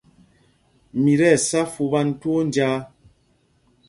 Mi tí ɛsá fupan twóó njāā.